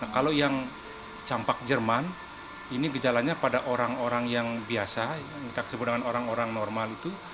kalau yang campak jerman ini gejalanya pada orang orang yang biasa yang kita sebut dengan orang orang normal itu